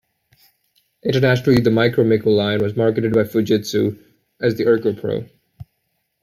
Internationally the MikroMikko line was marketed by Fujitsu as the ErgoPro.